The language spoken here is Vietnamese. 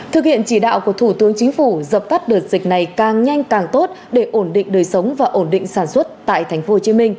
thực hiện chỉ đạo của thủ tướng chính phủ dập tắt đợt dịch này càng nhanh càng tốt để ổn định đời sống và ổn định sản xuất tại tp hcm